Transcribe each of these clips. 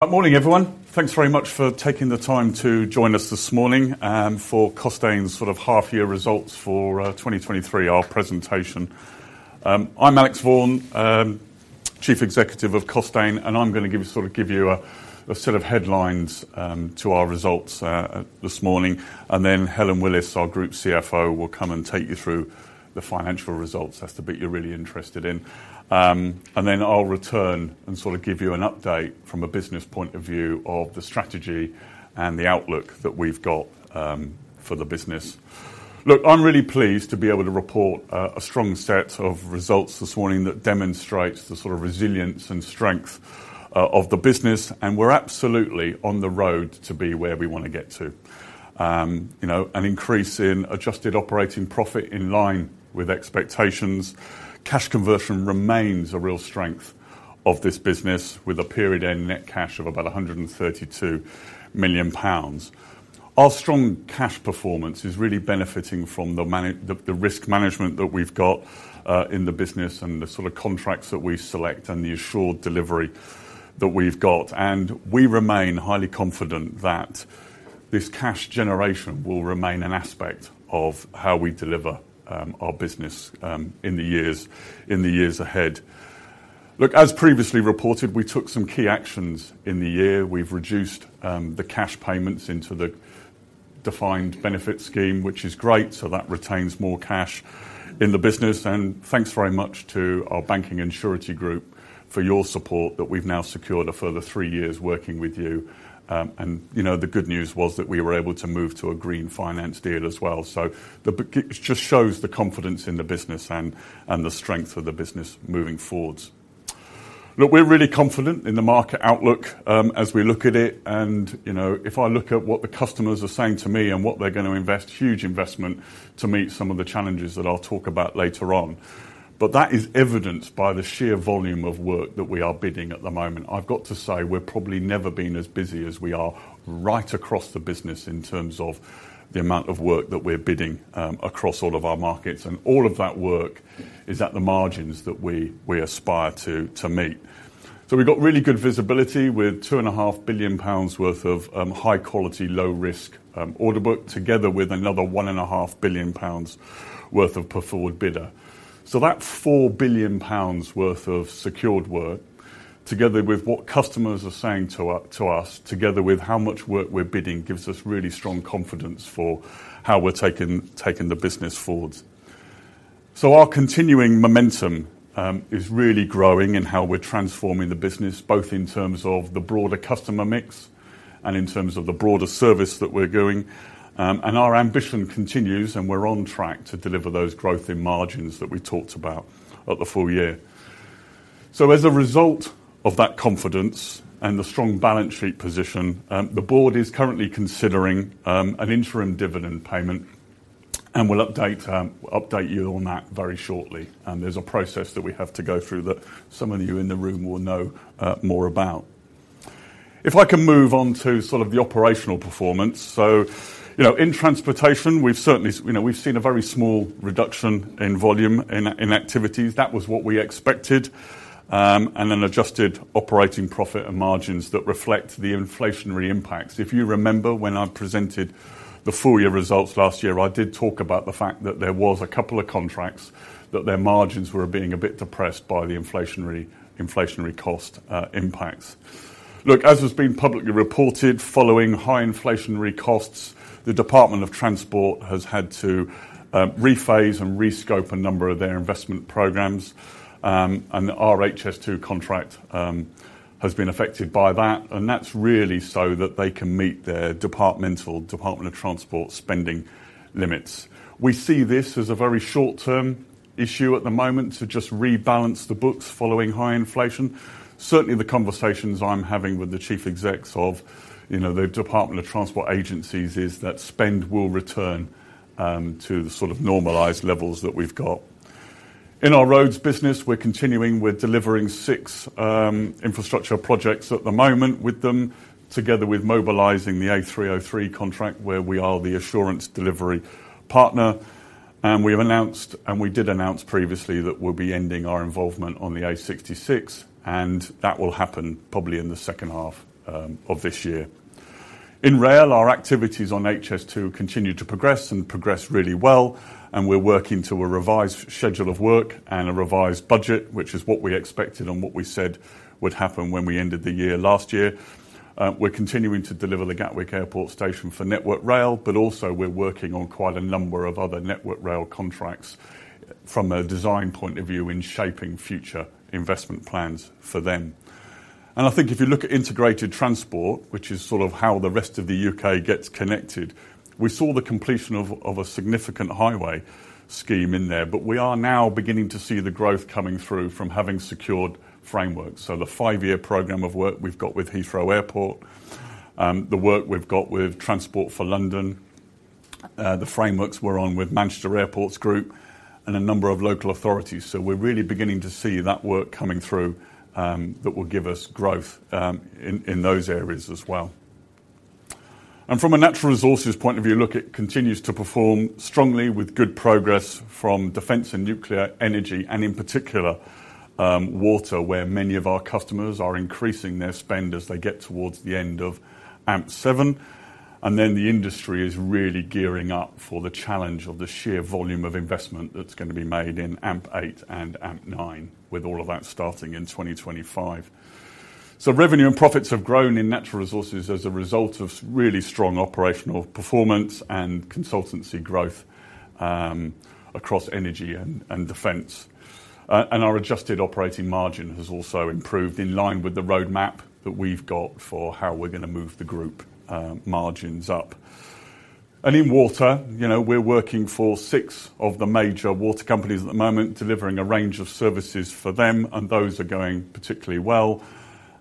Good morning, everyone. Thanks very much for taking the time to join this morning, for Costain's sort of half-year results for 2023, our presentation. I'm Alex Vaughan, Chief Executive of Costain, I'm gonna sort of give you a set of headlines to our results this morning. Then Helen Willis, our Group CFO, will come and take you through the financial results. That's the bit you're really interested in. Then I'll return and sort of give you an update from a business point of view of the strategy and the outlook that we've got for the business. Look, I'm really pleased to be able to report a, a strong set of results this morning that demonstrates the sort of resilience and strength of the business, we're absolutely on the road to be where we want to get to. You know, an increase in adjusted operating profit in line with expectations. Cash conversion remains a real strength of this business, with a period in net cash of about 132 million pounds. Our strong cash performance is really benefiting from the, the risk management that we've got in the business and the sort of contracts that we select and the assured delivery that we've got. We remain highly confident that this cash generation will remain an aspect of how we deliver our business in the years, in the years ahead. Look, as previously reported, we took some key actions in the year. We've reduced the cash payments into the defined benefit scheme, which is great, so that retains more cash in the business. Thanks very much to our banking and surety group for your support, that we've now secured a further three years working with you. You know, the good news was that we were able to move to a green finance deal as well. That just shows the confidence in the business and, and the strength of the business moving forwards. Look, we're really confident in the market outlook, as we look at it, and, you know, if I look at what the customers are saying to me and what they're going to invest, huge investment, to meet some of the challenges that I'll talk about later on. That is evidenced by the sheer volume of work that we are bidding at the moment. I've got to say, we've probably never been as busy as we are right across the business in terms of the amount of work that we're bidding across all of our markets. All of that work is at the margins that we, we aspire to, to meet. We've got really good visibility with 2.5 billion pounds worth of high quality, low risk order book, together with another 1.5 billion pounds worth of forward bidder. That's 4 billion pounds worth of secured work, together with what customers are saying to us, together with how much work we're bidding, gives us really strong confidence for how we're taking, taking the business forward. Our continuing momentum is really growing in how we're transforming the business, both in terms of the broader customer mix and in terms of the broader service that we're doing. Our ambition continues, and we're on track to deliver those growth in margins that we talked about at the full year. As a result of that confidence and the strong balance sheet position, the board is currently considering an interim dividend payment, and we'll update you on that very shortly. There's a process that we have to go through that some of you in the room will know more about. If I can move on to sort of the operational performance. You know, in Transportation, we've certainly, you know, we've seen a very small reduction in volume in activities. That was what we expected, and an adjusted operating profit and margins that reflect the inflationary impacts. If you remember, when I presented the full year results last year, I did talk about the fact that there was a couple of contracts, that their margins were being a bit depressed by the inflationary, inflationary cost impacts. Look, as has been publicly reported, following high inflationary costs, the Department for Transport has had to rephase and rescope a number of their investment programs, and our HS2 contract has been affected by that, and that's really so that they can meet their departmental, Department for Transport spending limits. We see this as a very short-term issue at the moment to just rebalance the books following high inflation. Certainly, the conversations I'm having with the Chief Execs of, you know, the Department for Transport agencies, is that spend will return to the sort of normalized levels that we've got. In our roads business, we're continuing with delivering 6 infrastructure projects at the moment with them, together with mobilizing the A303 contract, where we are the assurance delivery partner. We've announced, and we did announce previously, that we'll be ending our involvement on the A66, and that will happen probably in the second half of this year. In rail, our activities on HS2 continue to progress and progress really well, and we're working to a revised schedule of work and a revised budget, which is what we expected and what we said would happen when we ended the year last year. We're continuing to deliver the Gatwick Airport station for Network Rail. Also, we're working on quite a number of other Network Rail contracts from a design point of view in shaping future investment plans for them. I think if you look at integrated transport, which is sort of how the rest of the UK gets connected, we saw the completion of a significant highway scheme in there. We are now beginning to see the growth coming through from having secured frameworks. The five-year program of work we've got with Heathrow Airport, the work we've got with Transport for London, the frameworks we're on with Manchester Airports Group, and a number of local authorities. We're really beginning to see that work coming through that will give us growth in those areas as well. From a Natural Resources point of view, look, it continues to perform strongly with good progress from Defence and Nuclear Energy, and in particular, water, where many of our customers are increasing their spend as they get towards the end of AMP7. Then the industry is really gearing up for the challenge of the sheer volume of investment that's going to be made in AMP8 and AMP9, with all of that starting in 2025. Revenue and profits have grown in natural resources as a result of really strong operational performance and consultancy growth, across energy and, and defense. And our adjusted operating margin has also improved in line with the roadmap that we've got for how we're going to move the group, margins up. In water, you know, we're working for six of the major water companies at the moment, delivering a range of services for them, and those are going particularly well,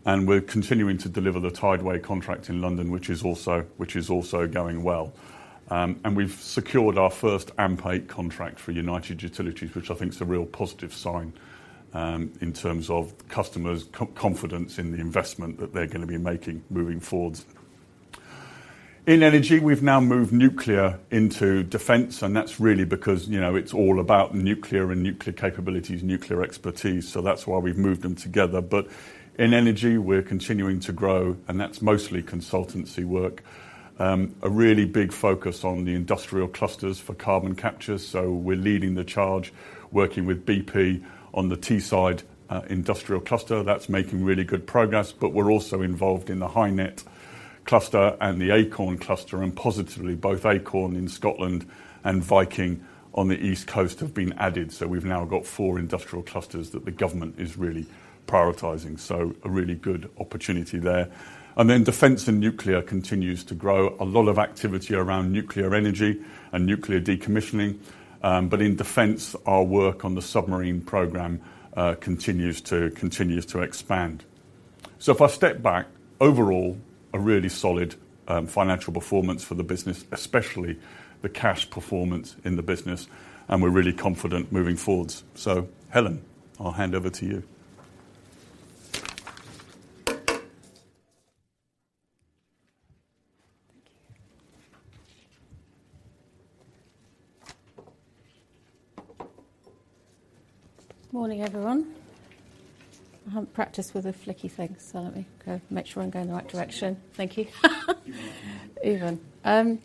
and we're continuing to deliver the Tideway contract in London, which is also, which is also going well. We've secured our first AMP8 contract for United Utilities, which I think is a real positive sign, in terms of customers' confidence in the investment that they're going to be making moving forwards. In energy, we've now moved nuclear into defense, and that's really because, you know, it's all about nuclear and nuclear capabilities, nuclear expertise, so that's why we've moved them together. In energy, we're continuing to grow, and that's mostly consultancy work. A really big focus on the industrial clusters for carbon capture, so we're leading the charge, working with BP on the Teesside industrial cluster. That's making really good progress, but we're also involved in the HyNet cluster and the Acorn cluster, and positively, both Acorn in Scotland and Viking on the East Coast have been added. We've now got four industrial clusters that the government is really prioritizing, so a really good opportunity there. Defense and nuclear continues to grow. A lot of activity around nuclear energy and nuclear decommissioning, but in defense, our work on the submarine program continues to, continues to expand. If I step back, overall, a really solid financial performance for the business, especially the cash performance in the business, and we're really confident moving forwards. Helen, I'll hand over to you. Thank you. Morning, everyone. I haven't practiced with the flicky thing, so let me go, make sure I'm going the right direction. Thank you. Even. Thanks.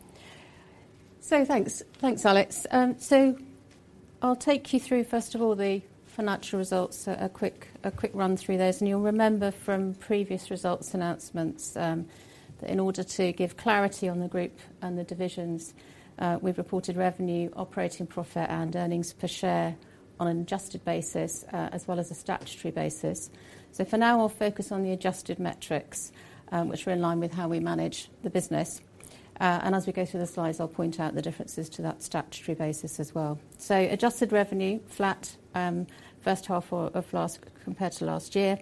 Thanks, Alex. I'll take you through, first of all, the financial results, a quick, a quick run through those. You'll remember from previous results announcements, that in order to give clarity on the group and the divisions, we've reported revenue, operating profit, and earnings per share on an adjusted basis, as well as a statutory basis. For now, I'll focus on the adjusted metrics, which are in line with how we manage the business. As we go through the slides, I'll point out the differences to that statutory basis as well. Adjusted revenue, flat, first half of last-- compared to last year.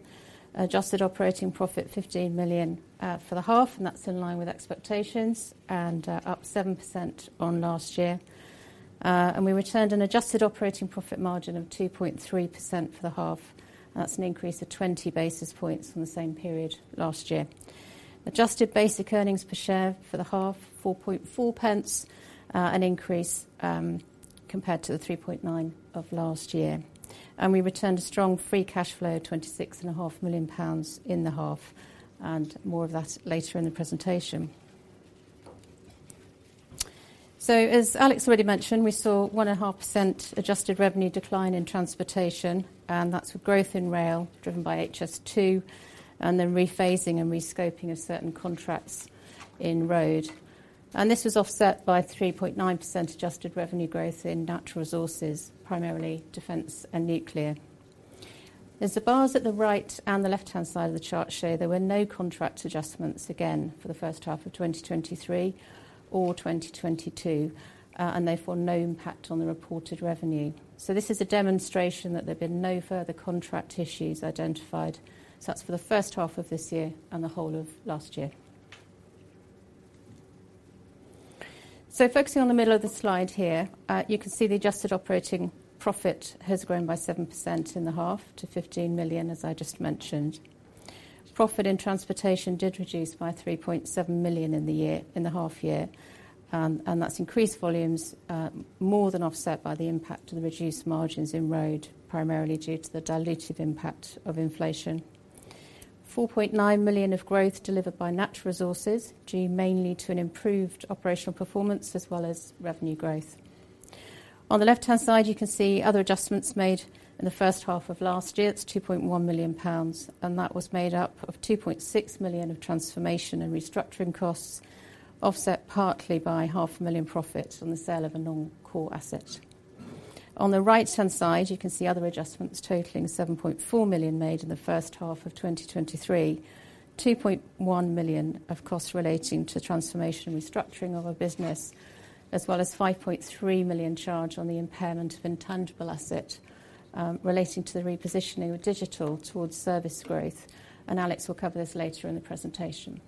Adjusted operating profit, 15 million for the half, that's in line with expectations and up 7% on last year. We returned an adjusted operating profit margin of 2.3% for the half. That's an increase of 20 basis points from the same period last year. Adjusted basic earnings per share for the half, 4.4 pence, an increase compared to the 3.9 of last year. We returned a strong free cash flow of 26.5 million pounds in the half, and more of that later in the presentation. As Alex already mentioned, we saw 1.5% adjusted revenue decline in transportation, and that's with growth in rail, driven by HS2, and then rephasing and rescoping of certain contracts in road. This was offset by 3.9% adjusted revenue growth in natural resources, primarily defense and nuclear. As the bars at the right and the left-hand side of the chart show, there were no contract adjustments again for the first half of 2023 or 2022, and therefore, no impact on the reported revenue. This is a demonstration that there have been no further contract issues identified. That's for the first half of this year and the whole of last year. Focusing on the middle of the slide here, you can see the Adjusted Operating Profit has grown by 7% in the half to 15 million, as I just mentioned. Profit in transportation did reduce by 3.7 million in the year, in the half year, and that's increased volumes, more than offset by the impact of the reduced margins in road, primarily due to the dilutive impact of inflation. 4.9 million of growth delivered by natural resources, due mainly to an improved operational performance as well as revenue growth. On the left-hand side, you can see other adjustments made in the first half of last year. It's 2.1 million pounds, and that was made up of 2.6 million of transformation and restructuring costs, offset partly by 500,000 profits from the sale of a non-core asset. On the right-hand side, you can see other adjustments totaling 7.4 million made in the first half of 2023, 2.1 million of costs relating to transformation and restructuring of a business, as well as 5.3 million charge on the impairment of intangible asset, relating to the repositioning of digital towards service growth. Alex will cover this later in the presentation.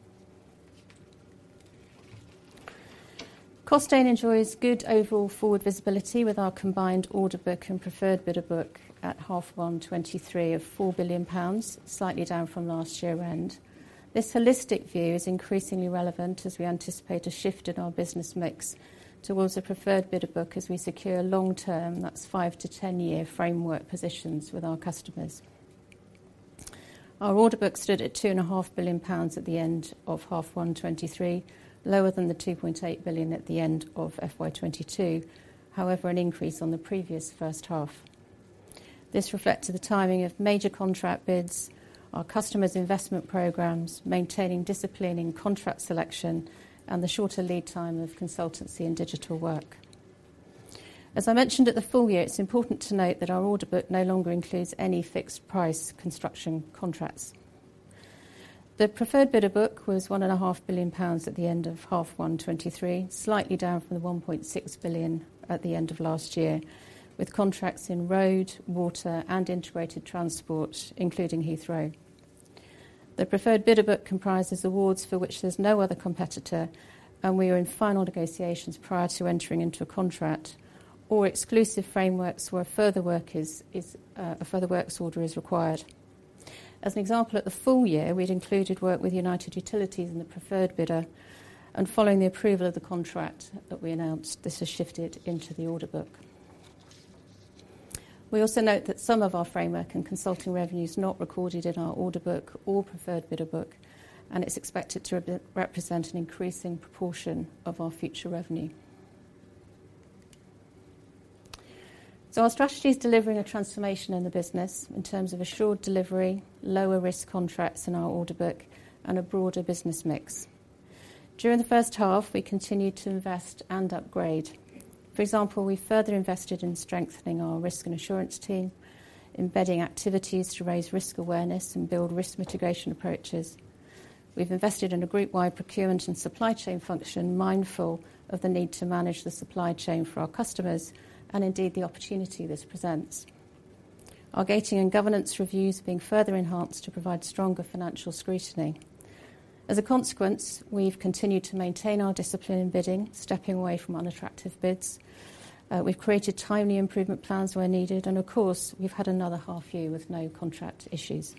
Costain enjoys good overall forward visibility with our combined order book and preferred bidder book at H1 '23 of 4 billion pounds, slightly down from last year end. This holistic view is increasingly relevant as we anticipate a shift in our business mix towards a preferred bidder book as we secure long-term, that's five to 10-year framework positions with our customers. Our order book stood at 2.5 billion pounds at the end of H1 2023, lower than the 2.8 billion at the end of FY 2022. An increase on the previous first half. This reflects the timing of major contract bids, our customers' investment programs, maintaining discipline in contract selection, and the shorter lead time of consultancy and digital work. As I mentioned at the full year, it's important to note that our order book no longer includes any fixed price construction contracts. The preferred bidder book was 1.5 billion pounds at the end of H1 2023, slightly down from the 1.6 billion at the end of last year, with contracts in road, water and integrated transport, including Heathrow. The preferred bidder book comprises awards for which there's no other competitor, and we are in final negotiations prior to entering into a contract, or exclusive frameworks where further work is, is a further works order is required. As an example, at the full year, we'd included work with United Utilities in the preferred bidder. Following the approval of the contract that we announced, this has shifted into the order book. We also note that some of our framework and consulting revenue is not recorded in our order book or preferred bidder book. It's expected to represent an increasing proportion of our future revenue. Our strategy is delivering a transformation in the business in terms of assured delivery, lower risk contracts in our order book, and a broader business mix. During the first half, we continued to invest and upgrade. For example, we further invested in strengthening our risk and assurance team, embedding activities to raise risk awareness and build risk mitigation approaches. We've invested in a group-wide procurement and supply chain function, mindful of the need to manage the supply chain for our customers and indeed, the opportunity this presents. Our gating and governance reviews are being further enhanced to provide stronger financial scrutiny. As a consequence, we've continued to maintain our discipline in bidding, stepping away from unattractive bids. We've created timely improvement plans where needed, and of course, we've had another half year with no contract issues.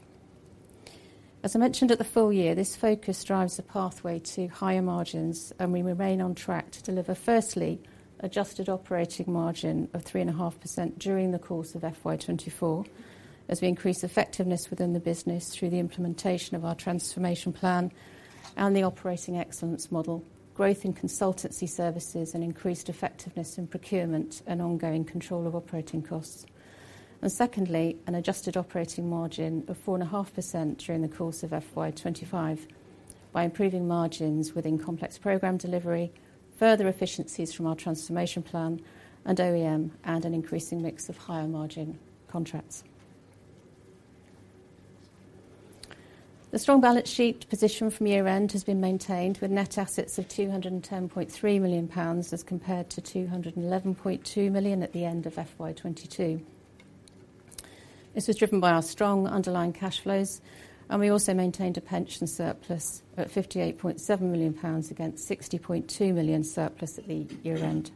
As I mentioned at the full year, this focus drives the pathway to higher margins. We remain on track to deliver firstly, adjusted operating margin of 3.5% during the course of FY '24, as we increase effectiveness within the business through the implementation of our transformation plan and the Operating Excellence Model, growth in consultancy services, and increased effectiveness in procurement and ongoing control of operating costs. Secondly, an adjusted operating margin of 4.5% during the course of FY '25 by improving margins within complex program delivery, further efficiencies from our transformation plan and OEM, and an increasing mix of higher margin contracts. The strong balance sheet position from year end has been maintained, with net assets of 210.3 million pounds, as compared to 211.2 million at the end of FY '22. This was driven by our strong underlying cash flows, and we also maintained a pension surplus at 58.7 million pounds, against 60.2 million surplus at the year end.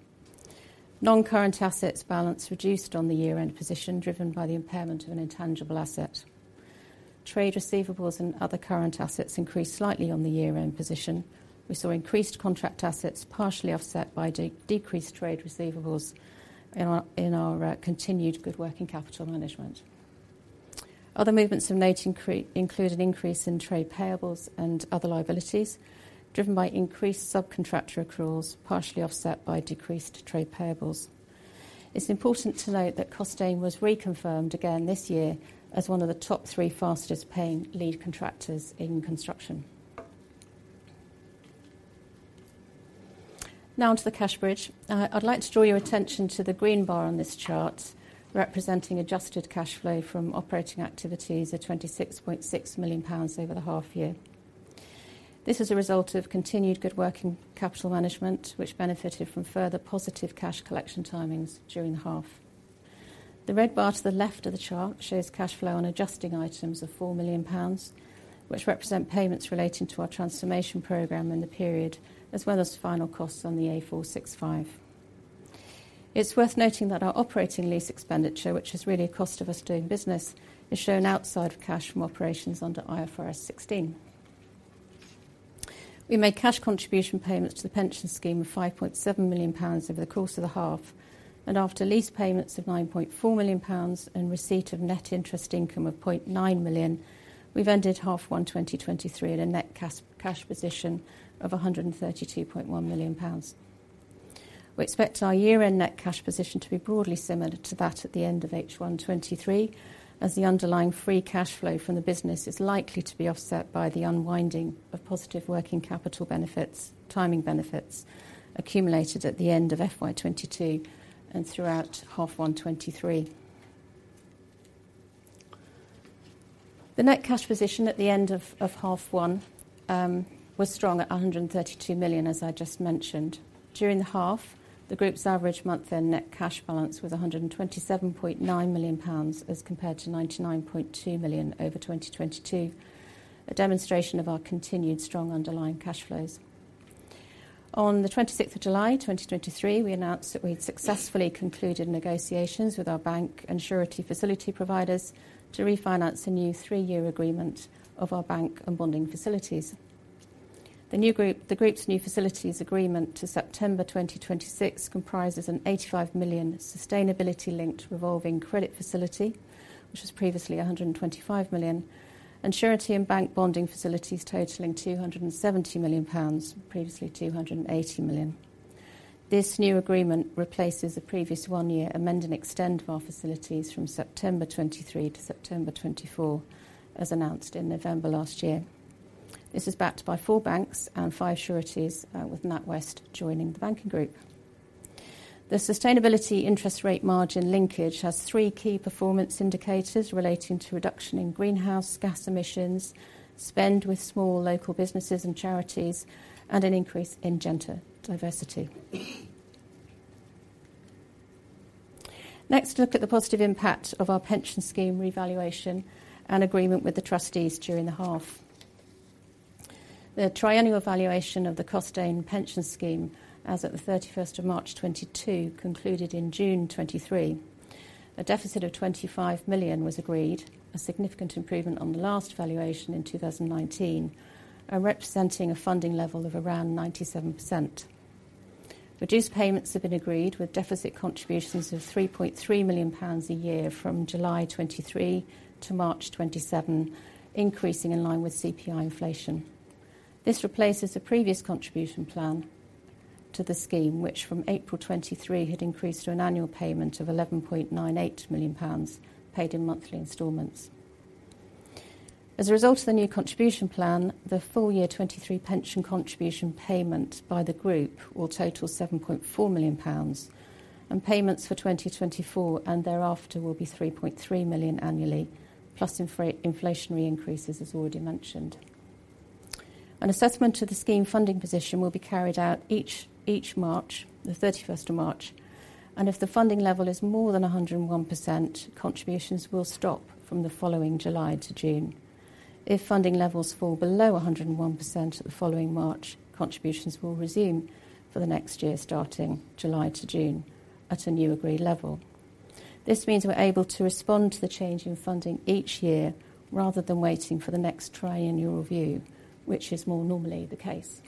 Non-current assets balance reduced on the year-end position, driven by the impairment of an intangible asset. Trade receivables and other current assets increased slightly on the year-end position. We saw increased contract assets partially offset by decreased trade receivables in our, in our, continued good working capital management. Other movements of note include an increase in trade payables and other liabilities, driven by increased subcontractor accruals, partially offset by decreased trade payables. It's important to note that Costain was reconfirmed again this year as one of the top three fastest paying lead contractors in construction. On to the cash bridge. I'd like to draw your attention to the green bar on this chart, representing adjusted cash flow from operating activities of 26.6 million pounds over the half year. This is a result of continued good working capital management, which benefited from further positive cash collection timings during the half. The red bar to the left of the chart shows cash flow on adjusting items of 4 million pounds, which represent payments relating to our transformation program in the period, as well as final costs on the A465. It's worth noting that our operating lease expenditure, which is really a cost of us doing business, is shown outside of cash from operations under IFRS 16. We made cash contribution payments to The Costain Pension Scheme of GBP 5.7 million over the course of the half. After lease payments of GBP 9.4 million and receipt of net interest income of GBP 0.9 million, we've ended half one 2023 at a net cash position of GBP 132.1 million. We expect our year-end net cash position to be broadly similar to that at the end of H1 '23, as the underlying free cash flow from the business is likely to be offset by the unwinding of positive working capital benefits, timing benefits accumulated at the end of FY '22 and throughout H1 '23. The net cash position at the end of half one was strong at 132 million, as I just mentioned. During the half. The group's average month-end net cash balance was 127.9 million pounds, as compared to 99.2 million over 2022, a demonstration of our continued strong underlying cash flows. On the 26th of July, 2023, we announced that we'd successfully concluded negotiations with our bank and surety facility providers to refinance a new three-year agreement of our bank and bonding facilities. The group's new facilities agreement to September 2026 comprises a 85 million sustainability-linked revolving credit facility, which was previously 125 million, and surety and bank bonding facilities totaling 270 million pounds, previously 280 million. This new agreement replaces the previous one-year amend-and-extend of our facilities from September 2023 to September 2024, as announced in November last year. This is backed by 4 banks and 5 sureties, with NatWest joining the banking group. The sustainability interest rate margin linkage has 3 key performance indicators relating to reduction in greenhouse gas emissions, spend with small local businesses and charities, and an increase in gender diversity. Next, look at the positive impact of our pension scheme revaluation and agreement with the trustees during the half. The triennial valuation of the Costain Pension Scheme, as at March 31, 2022, concluded in June 2023. A deficit of 25 million was agreed, a significant improvement on the last valuation in 2019, and representing a funding level of around 97%. Reduced payments have been agreed, with deficit contributions of 3.3 million pounds a year from July 2023 to March 2027, increasing in line with CPI inflation. This replaces the previous contribution plan to the scheme, which from April 2023 had increased to an annual payment of 11.98 million pounds, paid in monthly installments. As a result of the new contribution plan, the full year 2023 pension contribution payment by the group will total GBP 7.4 million, and payments for 2024 and thereafter will be GBP 3.3 million annually, plus infra-inflationary increases, as already mentioned. An assessment to the scheme funding position will be carried out each March, the 31st of March, and if the funding level is more than 101%, contributions will stop from the following July to June. If funding levels fall below 101% the following March, contributions will resume for the next year, starting July to June, at a new agreed level. This means we're able to respond to the change in funding each year, rather than waiting for the next triennial review, which is more normally the case.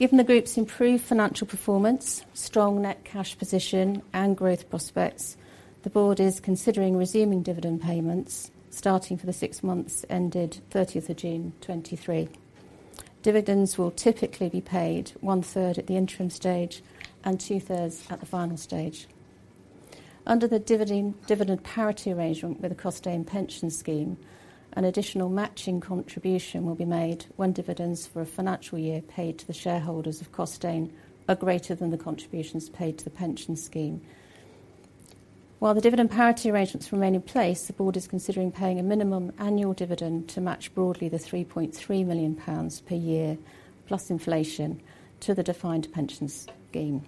Given the group's improved financial performance, strong net cash position, and growth prospects, the board is considering resuming dividend payments, starting for the six months ended June 30, 2023. Dividends will typically be paid one-third at the interim stage and two-thirds at the final stage. Under the dividend, dividend parity arrangement with The Costain Pension Scheme, an additional matching contribution will be made when dividends for a financial year paid to the shareholders of Costain are greater than the contributions paid to the pension scheme. While the dividend parity arrangements remain in place, the board is considering paying a minimum annual dividend to match broadly the 3.3 million pounds per year, plus inflation, to the defined pension scheme.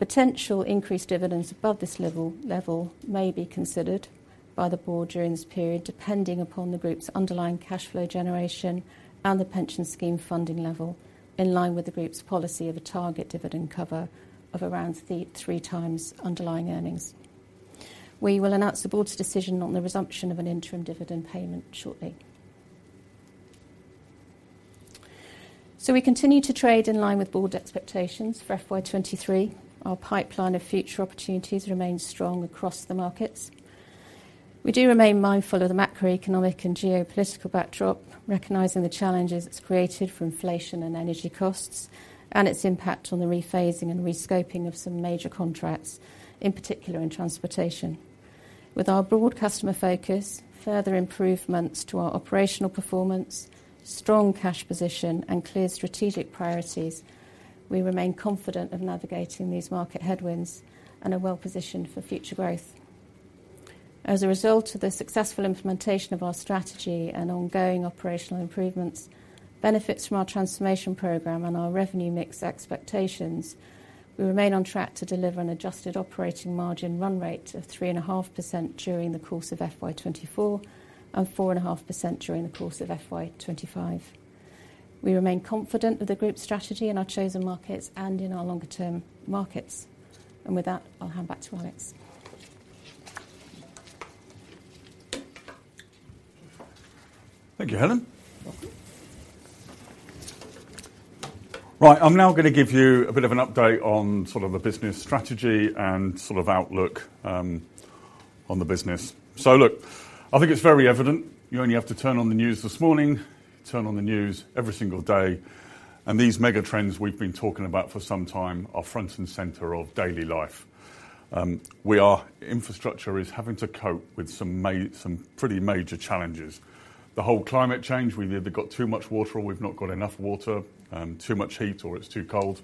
Potential increased dividends above this level may be considered by the board during this period, depending upon the group's underlying cash flow generation and the pension scheme funding level, in line with the group's policy of a target dividend cover of around three times underlying earnings. We will announce the board's decision on the resumption of an interim dividend payment shortly. We continue to trade in line with board expectations for FY 23. Our pipeline of future opportunities remains strong across the markets. We do remain mindful of the macroeconomic and geopolitical backdrop, recognizing the challenges it's created for inflation and energy costs, and its impact on the rephasing and rescoping of some major contracts, in particular in transportation. With our broad customer focus, further improvements to our operational performance, strong cash position and clear strategic priorities, we remain confident of navigating these market headwinds and are well positioned for future growth. As a result of the successful implementation of our strategy and ongoing operational improvements, benefits from our transformation program and our revenue mix expectations, we remain on track to deliver an adjusted operating margin run rate of 3.5% during the course of FY 2024, and 4.5% during the course of FY 2025. We remain confident with the group's strategy in our chosen markets and in our longer-term markets. With that, I'll hand back to Alex. Thank you, Helen. Welcome. Right, I'm now going to give you a bit of an update on sort of the business strategy and sort of outlook, on the business. Look, I think it's very evident, you only have to turn on the news this morning, turn on the news every single day, and these mega trends we've been talking about for some time are front and center of daily life. We our infrastructure is having to cope with some pretty major challenges. The whole climate change, we've either got too much water or we've not got enough water, too much heat, or it's too cold.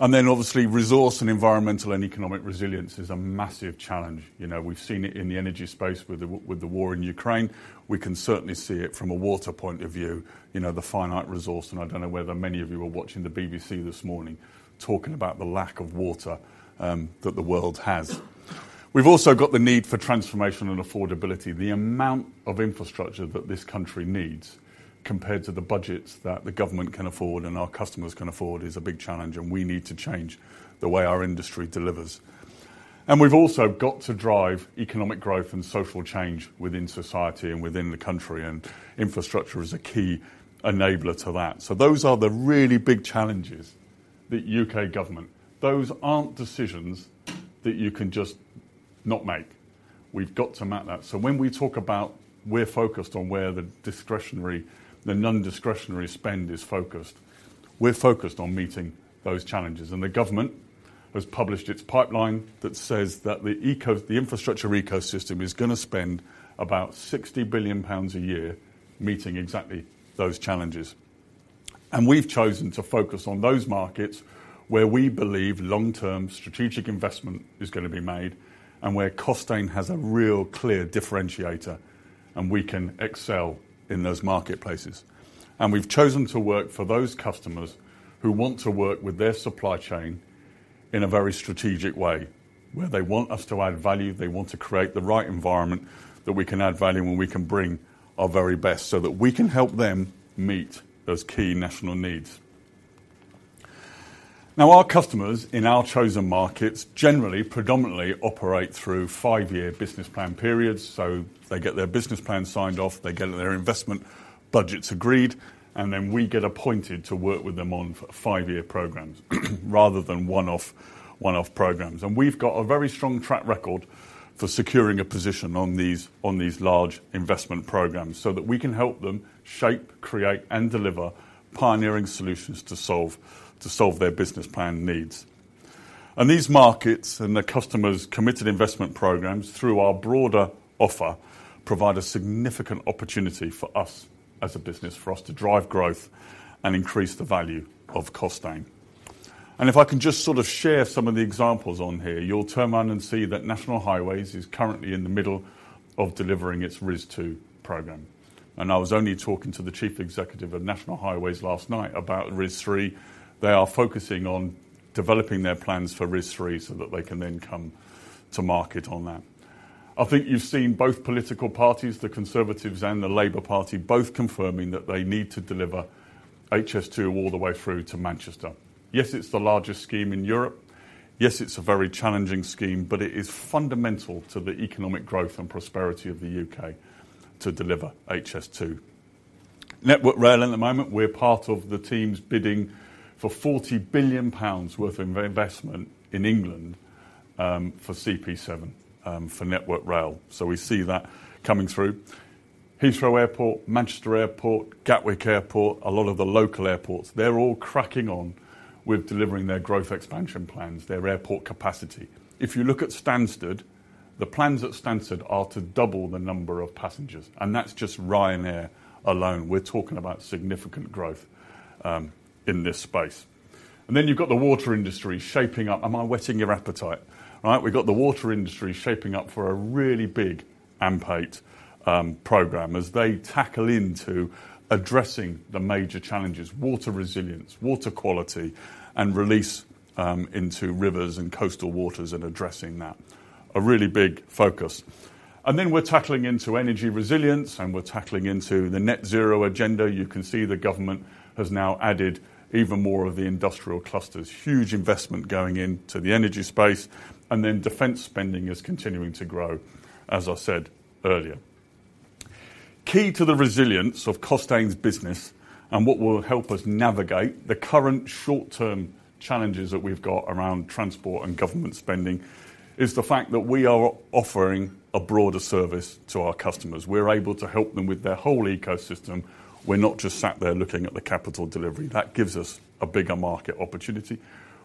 Then obviously, resource and environmental and economic resilience is a massive challenge. You know, we've seen it in the energy space with the, with the war in Ukraine. We can certainly see it from a water point of view, you know, the finite resource, I don't know whether many of you were watching the BBC this morning, talking about the lack of water that the world has. We've also got the need for transformation and affordability. The amount of infrastructure that this country needs compared to the budgets that the government can afford and our customers can afford is a big challenge, and we need to change the way our industry delivers. We've also got to drive economic growth and social change within society and within the country, and infrastructure is a key enabler to that. Those are the really big challenges that U.K. government. Those aren't decisions that you can just not make. We've got to map that. When we talk about we're focused on where the non-discretionary spend is focused, we're focused on meeting those challenges. The government has published its pipeline that says that the infrastructure ecosystem is going to spend about 60 billion pounds a year meeting exactly those challenges. We've chosen to focus on those markets where we believe long-term strategic investment is going to be made and where Costain has a real clear differentiator, and we can excel in those marketplaces. We've chosen to work for those customers who want to work with their supply chain in a very strategic way, where they want us to add value, they want to create the right environment, that we can add value and we can bring our very best, so that we can help them meet those key national needs. Our customers in our chosen markets generally predominantly operate through five-year business plan periods. They get their business plan signed off, they get their investment budgets agreed, and then we get appointed to work with them on five-year programs rather than one-off programs. We've got a very strong track record for securing a position on these large investment programs so that we can help them shape, create, and deliver pioneering solutions to solve their business plan needs. These markets and the customers committed investment programs through our broader offer, provide a significant opportunity for us as a business, for us to drive growth and increase the value of Costain. If I can just sort of share some of the examples on here, you'll turn around and see that National Highways is currently in the middle of delivering its RIS 2 program. I was only talking to the Chief Executive of National Highways last night about RIS 3. They are focusing on developing their plans for RIS 3 so that they can then come to market on that. I think you've seen both political parties, the Conservatives and the Labour Party, both confirming that they need to deliver HS2 all the way through to Manchester. Yes, it's the largest scheme in Europe. Yes, it's a very challenging scheme, but it is fundamental to the economic growth and prosperity of the U.K. to deliver HS2. Network Rail, at the moment, we're part of the teams bidding for 40 billion pounds worth of investment in England, for CP7, for Network Rail. We see that coming through. Heathrow Airport, Manchester Airport, Gatwick Airport, a lot of the local airports, they're all cracking on with delivering their growth expansion plans, their airport capacity. If you look at Stansted, the plans at Stansted are to double the number of passengers, and that's just Ryanair alone. We're talking about significant growth in this space. Then you've got the water industry shaping up. Am I whetting your appetite? Right, we've got the water industry shaping up for a really big AMP8 program, as they tackle into addressing the major challenges: water resilience, water quality, and release into rivers and coastal waters and addressing that. A really big focus. Then we're tackling into energy resilience, and we're tackling into the net zero agenda. You can see the government has now added even more of the industrial clusters. Huge investment going into the energy space, and then defense spending is continuing to grow, as I said earlier. Key to the resilience of Costain's business and what will help us navigate the current short-term challenges that we've got around transport and government spending, is the fact that we are offering a broader service to our customers. We're able to help them with their whole ecosystem. We're not just sat there looking at the capital delivery. That gives us a bigger market opportunity.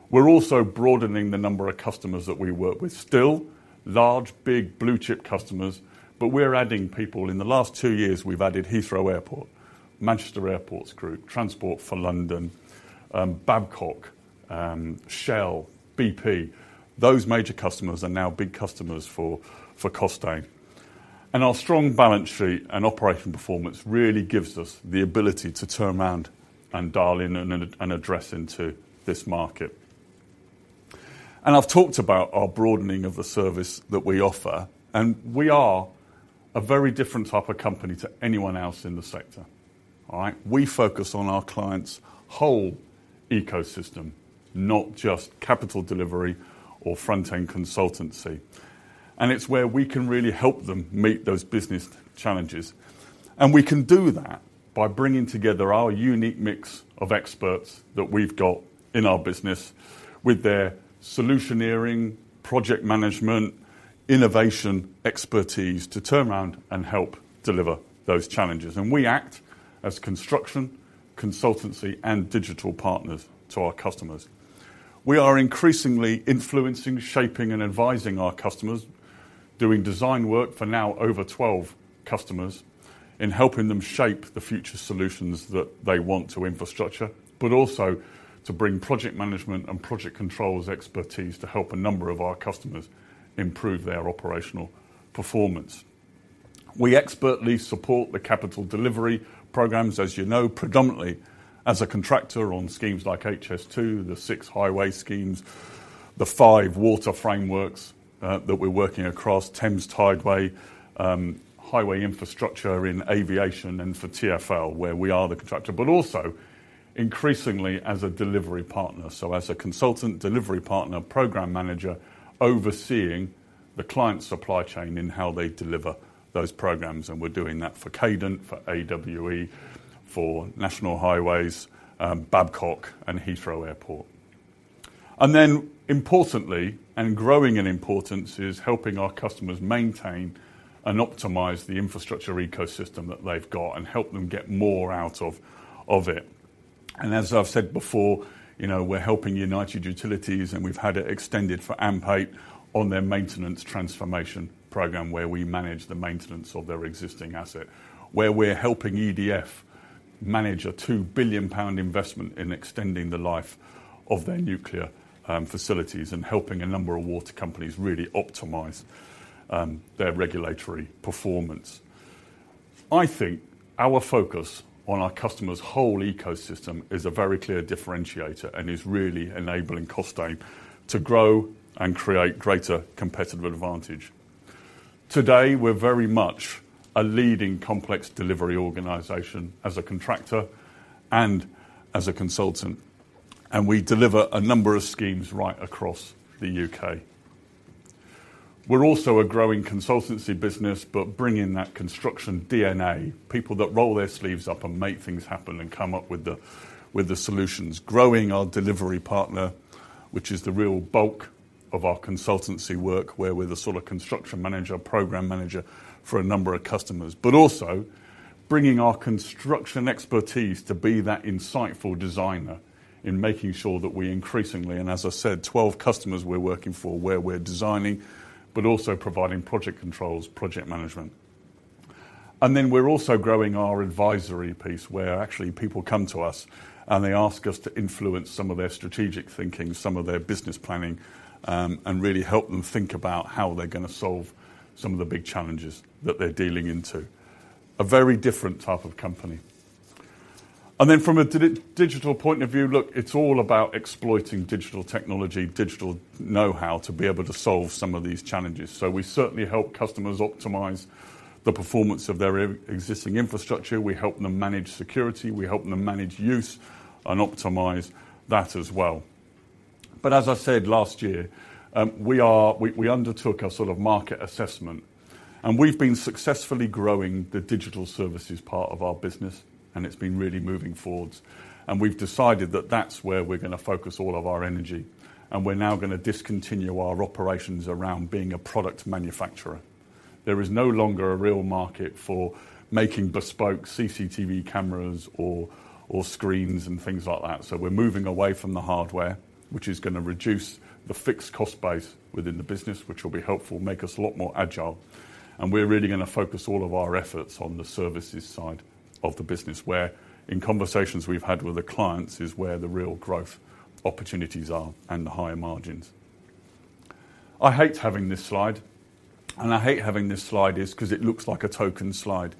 We're also broadening the number of customers that we work with. Still large, big, blue-chip customers, but we're adding people. In the last two years, we've added Heathrow Airport, Manchester Airports Group, Transport for London, Babcock, Shell, BP. Those major customers are now big customers for, for Costain. Our strong balance sheet and operating performance really gives us the ability to turn around and dial in and address into this market. I've talked about our broadening of the service that we offer, and we are a very different type of company to anyone else in the sector. All right? We focus on our clients' whole ecosystem, not just capital delivery or front-end consultancy. It's where we can really help them meet those business challenges. We can do that by bringing together our unique mix of experts that we've got in our business with their solutioneering, project management, innovation, expertise to turn around and help deliver those challenges. We act as construction, consultancy, and digital partners to our customers. We are increasingly influencing, shaping, and advising our customers, doing design work for now over 12 customers in helping them shape the future solutions that they want to infrastructure, but also to bring project management and project controls expertise to help a number of our customers improve their operational performance. We expertly support the capital delivery programs, as you know, predominantly as a contractor on schemes like HS2, the 6 highway schemes, the 5 water frameworks that we're working across, Thames Tideway, highway infrastructure in aviation and for TfL, where we are the contractor, but also increasingly as a delivery partner. As a consultant delivery partner, program manager, overseeing the client supply chain in how they deliver those programs. We're doing that for Cadent, for AWE, for National Highways, Babcock, and Heathrow Airport. Importantly, and growing in importance, is helping our customers maintain and optimize the infrastructure ecosystem that they've got and help them get more out of it. As I've said before, you know, we're helping United Utilities, and we've had it extended for Amey on their maintenance transformation program, where we manage the maintenance of their existing asset. Where we're helping EDF manage a 2 billion pound investment in extending the life of their nuclear facilities, and helping a number of water companies really optimize their regulatory performance. I think our focus on our customer's whole ecosystem is a very clear differentiator and is really enabling Costain to grow and create greater competitive advantage. Today, we're very much a leading complex delivery organization as a contractor and as a consultant, and we deliver a number of schemes right across the UK. We're also a growing consultancy business, but bringing that construction DNA, people that roll their sleeves up and make things happen and come up with the, with the solutions, growing our delivery partner, which is the real bulk of our consultancy work, where we're the sort of construction manager, program manager for a number of customers. Also bringing our construction expertise to be that insightful designer in making sure that we increasingly, and as I said, 12 customers we're working for, where we're designing, but also providing project controls, project management. Then we're also growing our advisory piece, where actually people come to us and they ask us to influence some of their strategic thinking, some of their business planning, and really help them think about how they're gonna solve some of the big challenges that they're dealing into. A very different type of company. From a digital point of view, look, it's all about exploiting digital technology, digital know-how, to be able to solve some of these challenges. We certainly help customers optimize the performance of their existing infrastructure. We help them manage security, we help them manage use, and optimize that as well. As I said last year, we undertook a sort of market assessment, and we've been successfully growing the digital services part of our business, and it's been really moving forward. We've decided that that's where we're gonna focus all of our energy, and we're now gonna discontinue our operations around being a product manufacturer. There is no longer a real market for making bespoke CCTV cameras or, or screens and things like that. We're moving away from the hardware, which is gonna reduce the fixed cost base within the business, which will be helpful, make us a lot more agile. We're really gonna focus all of our efforts on the services side of the business, where in conversations we've had with the clients, is where the real growth opportunities are and the higher margins. I hate having this slide, and I hate having this slide is because it looks like a token slide.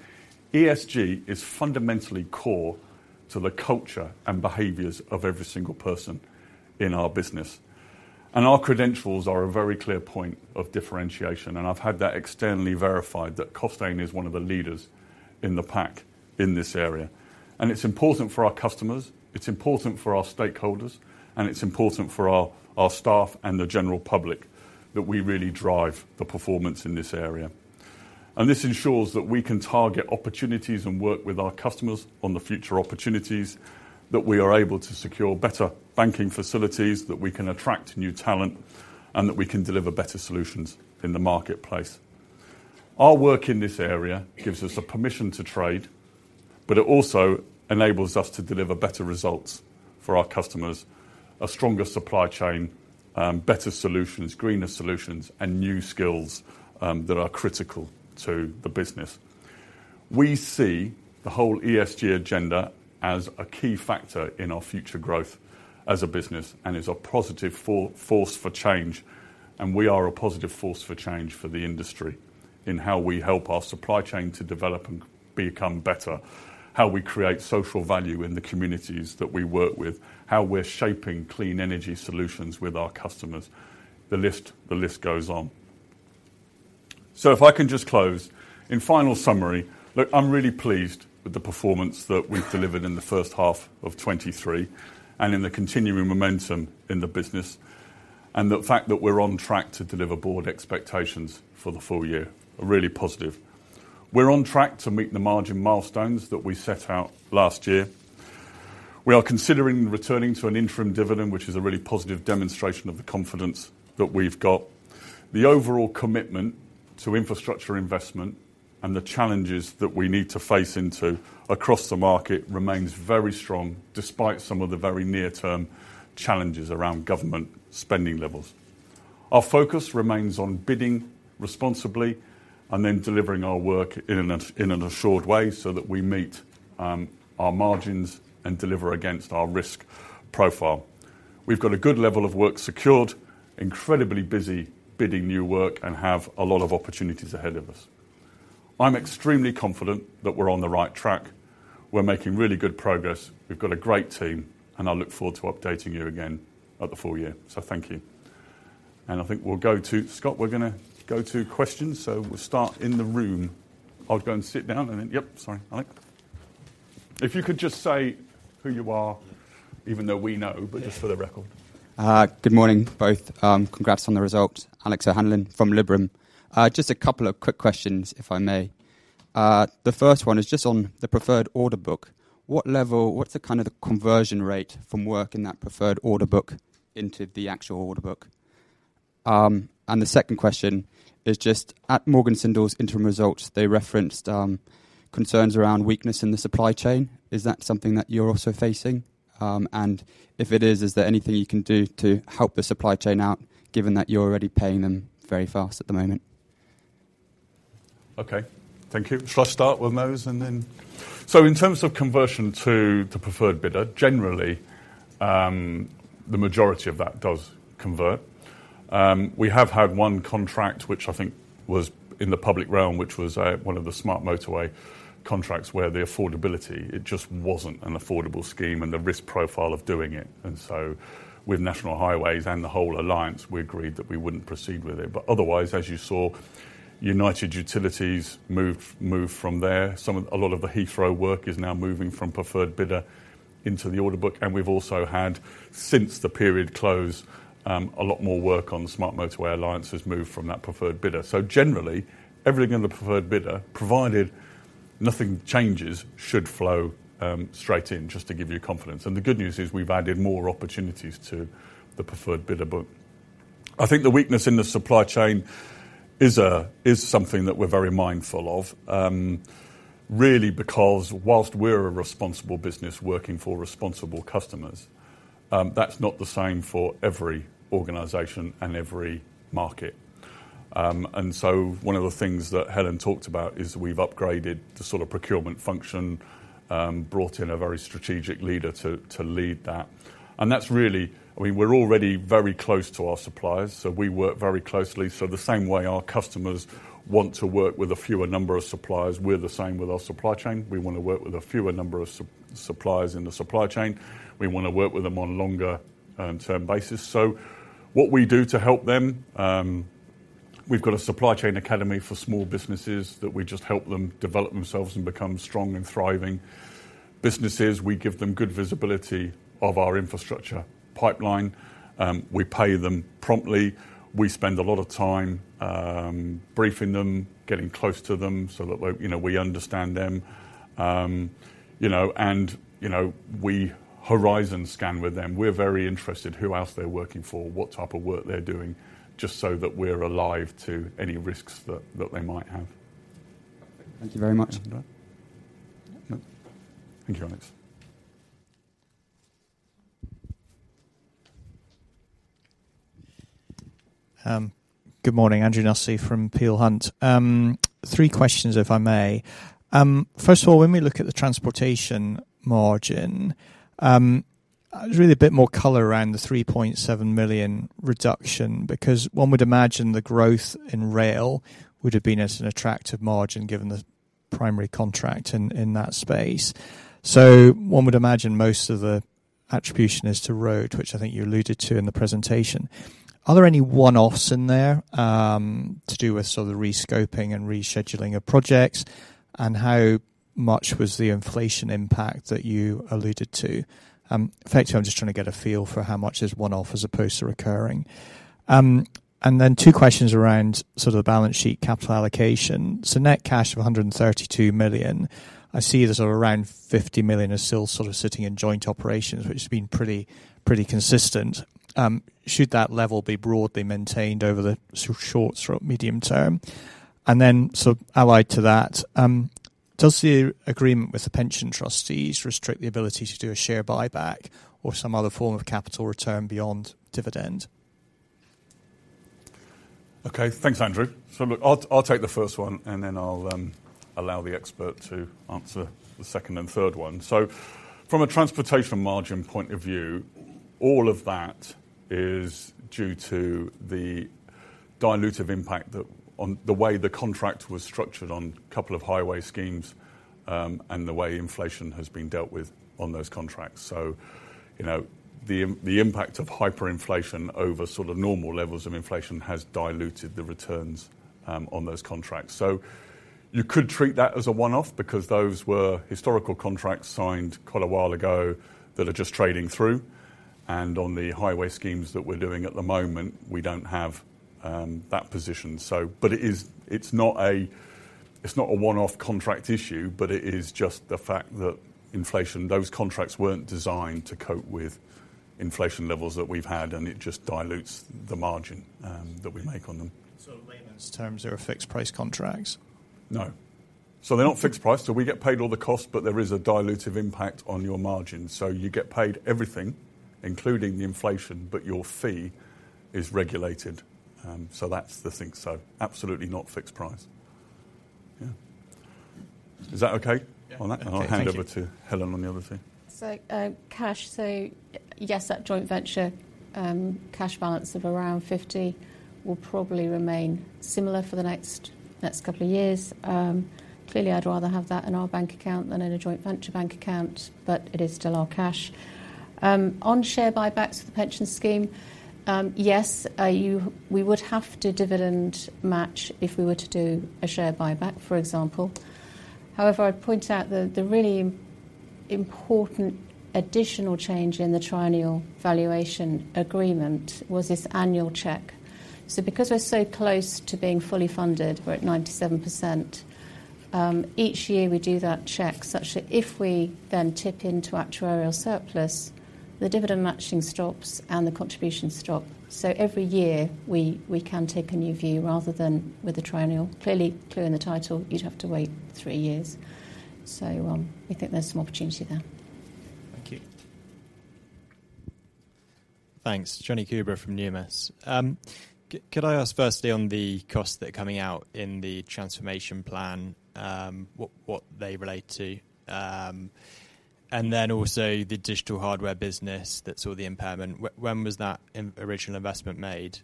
ESG is fundamentally core to the culture and behaviors of every single person in our business, and our credentials are a very clear point of differentiation, and I've had that externally verified that Costain is one of the leaders in the pack in this area. It's important for our customers, it's important for our stakeholders, and it's important for our, our staff and the general public that we really drive the performance in this area. This ensures that we can target opportunities and work with our customers on the future opportunities, that we are able to secure better banking facilities, that we can attract new talent, and that we can deliver better solutions in the marketplace. Our work in this area gives us the permission to trade, but it also enables us to deliver better results for our customers, a stronger supply chain, better solutions, greener solutions, and new skills that are critical to the business. We see the whole ESG agenda as a key factor in our future growth as a business, is a positive force for change, we are a positive force for change for the industry in how we help our supply chain to develop and become better, how we create social value in the communities that we work with, how we're shaping clean energy solutions with our customers. The list, the list goes on. If I can just close. In final summary, look, I'm really pleased with the performance that we've delivered in the first half of 2023, in the continuing momentum in the business, the fact that we're on track to deliver board expectations for the full year are really positive. We're on track to meet the margin milestones that we set out last year. We are considering returning to an interim dividend, which is a really positive demonstration of the confidence that we've got. The overall commitment to infrastructure investment-... the challenges that we need to face into across the market remains very strong, despite some of the very near-term challenges around government spending levels. Our focus remains on bidding responsibly and then delivering our work in an, in an assured way so that we meet our margins and deliver against our risk profile. We've got a good level of work secured, incredibly busy bidding new work, and have a lot of opportunities ahead of us. I'm extremely confident that we're on the right track. We're making really good progress. We've got a great team, and I look forward to updating you again at the full year. Thank you. I think we'll go to Scott, we're gonna go to questions, so we'll start in the room. I'll go and sit down, and then, yep, sorry. Alex. If you could just say who you are, even though we know, but just for the record. Good morning, both. Congrats on the results. Alex O'Hanlon from Liberum. Just a couple of quick questions, if I may. The first one is just on the preferred order book. What's the kind of the conversion rate from work in that preferred order book into the actual order book? And the second question is just at Morgan Sindall's interim results, they referenced, concerns around weakness in the supply chain. Is that something that you're also facing? And if it is, is there anything you can do to help the supply chain out, given that you're already paying them very fast at the moment? Okay, thank you. Shall I start with those and then... In terms of conversion to the preferred bidder, generally, the majority of that does convert. We have had one contract, which I think was in the public realm, which was one of the smart motorway contracts, where the affordability, it just wasn't an affordable scheme and the risk profile of doing it. With National Highways and the whole alliance, we agreed that we wouldn't proceed with it. Otherwise, as you saw, United Utilities move, move from there. A lot of the Heathrow work is now moving from preferred bidder into the order book, and we've also had, since the period closed, a lot more work on the Smart Motorway Alliance has moved from that preferred bidder. Generally, everything in the preferred bidder, provided nothing changes, should flow straight in, just to give you confidence. The good news is we've added more opportunities to the preferred bidder book. I think the weakness in the supply chain is something that we're very mindful of, really, because whilst we're a responsible business working for responsible customers, that's not the same for every organization and every market. One of the things that Helen talked about is we've upgraded the sort of procurement function, brought in a very strategic leader to lead that. That's really, I mean, we're already very close to our suppliers, so we work very closely. The same way our customers want to work with a fewer number of suppliers, we're the same with our supply chain. We wanna work with a fewer number of suppliers in the supply chain. We wanna work with them on a longer term basis. So what we do to help them, we've got a supply chain academy for small businesses that we just help them develop themselves and become strong and thriving businesses. We give them good visibility of our infrastructure pipeline. We pay them promptly. We spend a lot of time briefing them, getting close to them, so that way, you know, we understand them. You know, and, you know, we horizon scan with them. We're very interested who else they're working for, what type of work they're doing, just so that we're alive to any risks that, that they might have. Thank you very much. No. Thank you, Alex. Good morning, Andrew Nussey from Peel Hunt. 3 questions, if I may. First of all, when we look at the transportation margin, really a bit more color around the 3.7 million reduction, because one would imagine the growth in rail would have been at an attractive margin, given the primary contract in that space. One would imagine most of the attribution is to road, which I think you alluded to in the presentation. Are there any one-offs in there to do with sort of the rescoping and rescheduling of projects? How much was the inflation impact that you alluded to? Effectively, I'm just trying to get a feel for how much is one-off as opposed to recurring. Then 2 questions around sort of the balance sheet capital allocation. Net cash of 132 million. I see there's around 50 million is still sort of sitting in joint operations, which has been pretty, pretty consistent. Should that level be broadly maintained over the short to medium term? Allied to that, does the agreement with the pension trustees restrict the ability to do a share buyback or some other form of capital return beyond dividend? Okay, thanks, Andrew. I'll, I'll take the first one, and then I'll allow the expert to answer the second and third one. From a transportation margin point of view, all of that is due to the dilutive impact that on the way the contract was structured on a couple of highway schemes, and the way inflation has been dealt with on those contracts. You know, the, the impact of hyperinflation over sort of normal levels of inflation has diluted the returns on those contracts. You could treat that as a one-off, because those were historical contracts signed quite a while ago that are just trading through. On the highway schemes that we're doing at the moment, we don't have that position. It's not a, it's not a one-off contract issue, but it is just the fact that inflation, those contracts weren't designed to cope with inflation levels that we've had, and it just dilutes the margin that we make on them. In layman's terms, they're fixed-price contracts? No. They're not fixed price, so we get paid all the costs, but there is a dilutive impact on your margin. You get paid everything, including the inflation, but your fee is regulated, so that's the thing. Absolutely not fixed price. Yeah. Is that okay on that? Yeah. I'll hand over to Helen on the other thing. Cash, yes, that joint venture cash balance of around 50 will probably remain similar for the next couple of years. Clearly, I'd rather have that in our bank account than in a joint venture bank account, but it is still our cash. On share buybacks for The Costain Pension Scheme, yes, we would have to dividend match if we were to do a share buyback, for example. However, I'd point out the really important additional change in the triennial valuation agreement was this annual check. Because we're so close to being fully funded, we're at 97%, each year we do that check such that if we then tip into actuarial surplus, the dividend matching stops and the contributions stop. Every year, we can take a new view rather than with the triennial. Clearly, clear in the title, you'd have to wait three years. We think there's some opportunity there. Thank you. Thanks. Jonathan Coubrough from Numis. Could I ask, firstly, on the costs that are coming out in the transformation plan, what they relate to? Also the digital hardware business that saw the impairment, when was that in original investment made?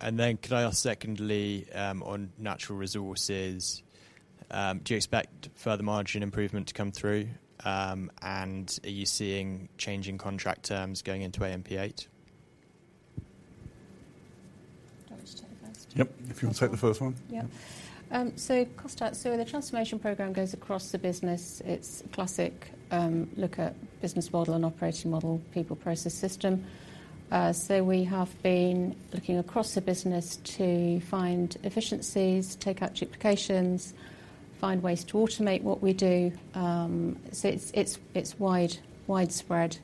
Could I ask, secondly, on natural resources, do you expect further margin improvement to come through, and are you seeing changing contract terms going into AMP8? Do you want me to take the first? Yep, if you want to take the first one. Yep. Cost out. The transformation program goes across the business. It's classic, look at business model and operating model, people process system. We have been looking across the business to find efficiencies, take out duplications, find ways to automate what we do. It's, it's, it's widespread,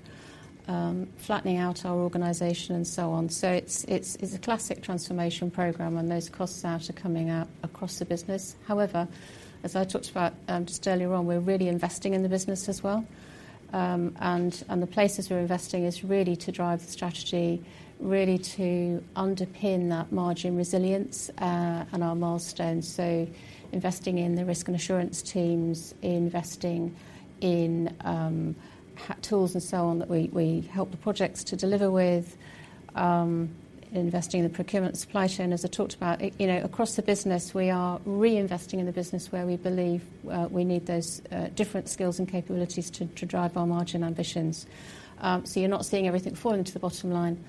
flattening out our organization and so on. It's, it's, it's a classic transformation program, and those costs out are coming out across the business. However, as I talked about just earlier on, we're really investing in the business as well. And, and the places we're investing is really to drive the strategy, really to underpin that margin resilience, and our milestones. Investing in the risk and assurance teams, investing in tools and so on, that we, we help the projects to deliver with, investing in the procurement supply chain, as I talked about. You know, across the business, we are reinvesting in the business where we believe we need those different skills and capabilities to, to drive our margin ambitions. You're not seeing everything falling to the bottom line.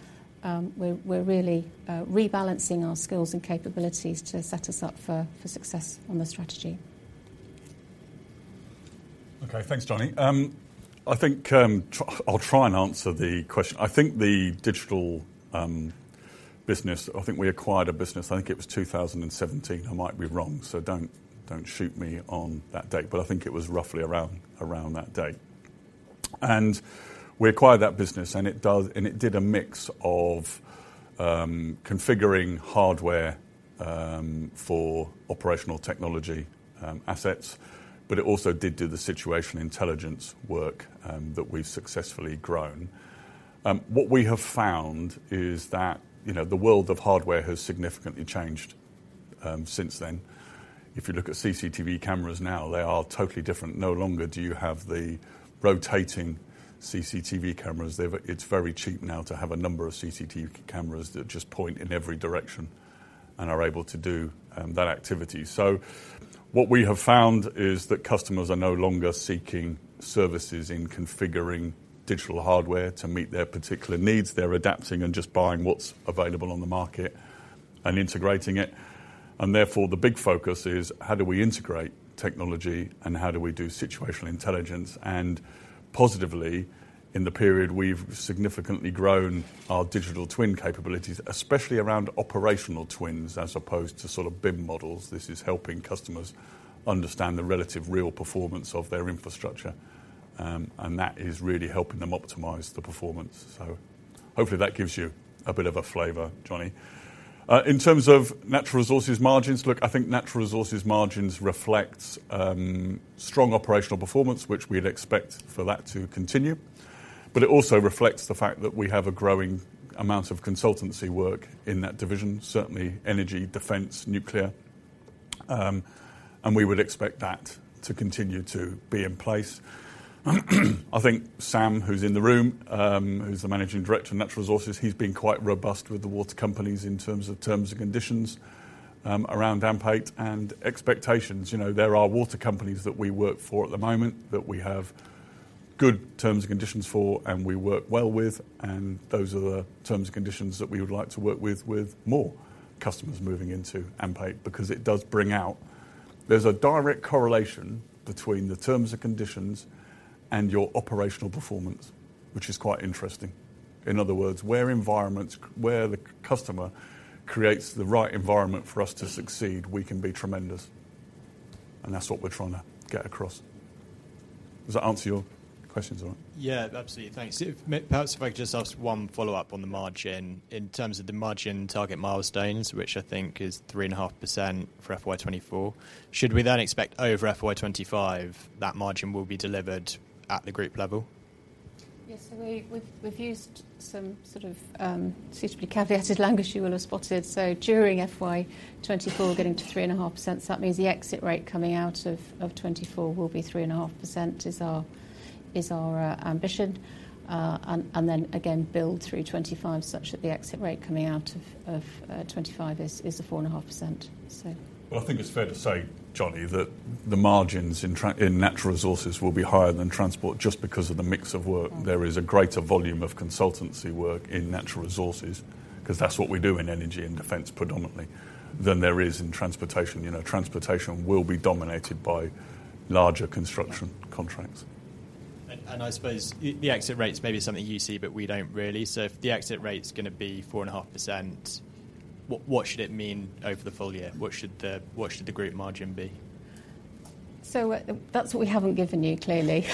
We're, we're really rebalancing our skills and capabilities to set us up for, for success on the strategy. Okay. Thanks, Johnny. I think, I'll try and answer the question. I think the digital business, I think we acquired a business, I think it was 2017. I might be wrong, so don't, don't shoot me on that date, but I think it was roughly around, around that date. We acquired that business, and it does, and it did a mix of configuring hardware for operational technology assets, but it also did do the situational intelligence work that we've successfully grown. What we have found is that, you know, the world of hardware has significantly changed since then. If you look at CCTV cameras now, they are totally different. No longer do you have the rotating CCTV cameras. They've... It's very cheap now to have a number of CCTV cameras that just point in every direction and are able to do that activity. What we have found is that customers are no longer seeking services in configuring digital hardware to meet their particular needs. They're adapting and just buying what's available on the market and integrating it. Therefore, the big focus is how do we integrate technology, and how do we do situational intelligence? Positively, in the period, we've significantly grown our digital twin capabilities, especially around operational twins, as opposed to sort of BIM models. This is helping customers understand the relative real performance of their infrastructure, and that is really helping them optimize the performance. Hopefully, that gives you a bit of a flavor, Johnny. In terms of natural resources margins, look, I think natural resources margins reflects strong operational performance, which we'd expect for that to continue. It also reflects the fact that we have a growing amount of consultancy work in that division, certainly energy, defense, nuclear, and we would expect that to continue to be in place. I think Sam, who's in the room, who's the managing director of Natural Resources, he's been quite robust with the water companies in terms of terms and conditions around AMP8 and expectations. You know, there are water companies that we work for at the moment that we have good terms and conditions for, and we work well with, and those are the terms and conditions that we would like to work with, with more customers moving into AMP8, because it does bring out... There's a direct correlation between the terms and conditions and your operational performance, which is quite interesting. In other words, where environments, where the customer creates the right environment for us to succeed, we can be tremendous, and that's what we're trying to get across... Does that answer your questions all right? Yeah, absolutely. Thanks. Perhaps if I could just ask one follow-up on the margin. In terms of the margin target milestones, which I think is 3.5% for FY 2024, should we then expect over FY 2025, that margin will be delivered at the group level? Yes. We, we've, we've used some sort of, suitably caveated language you will have spotted. During FY 2024, getting to 3.5%, so that means the exit rate coming out of, of 2024 will be 3.5%, is our, is our, ambition. Then again, build through 2025, such that the exit rate coming out of, of, 2025 is, is a 4.5%, so. I think it's fair to say, Johnny, that the margins in natural resources will be higher than transport, just because of the mix of work. Mm. There is a greater volume of consultancy work in natural resources, 'cause that's what we do in energy and defense predominantly, than there is in transportation. You know, transportation will be dominated by larger construction contracts. I suppose the, the exit rates may be something you see, but we don't really. If the exit rate's gonna be 4.5%, what, what should it mean over the full year? What should the, what should the group margin be? That's what we haven't given you, clearly.